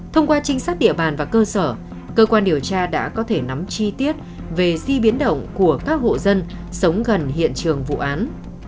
thông qua trinh sát địa bàn và cơ sở cơ quan điều tra đã có thể nắm chi tiết về di biến động của các hộ dân sống gần hiện trường vụ án